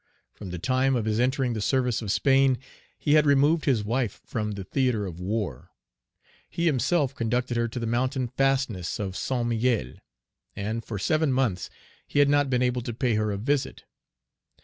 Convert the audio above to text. From the time of his entering the service of Spain, he had removed his wife from the Page 76 theatre of war. He himself conducted her to the mountain fastness of St. Miguel; and for seven months he had not been able to pay her a visit.